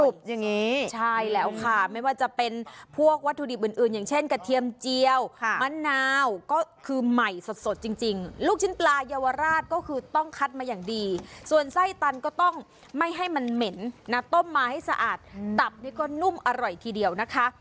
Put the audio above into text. มะนาวก็คือใหม่สดจริงลูกชิ้นปลายาวราชก็คือต้องคัดมาอย่างดีส่วนไส้ตันก็ต้องไม่ให้มันเหม็นนะต้มมาให้สะอาดตับนี่ก็นุ่มอร่อยทีเดียวนะคะ